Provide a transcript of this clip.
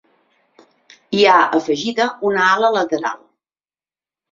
Hi ha afegida una ala lateral.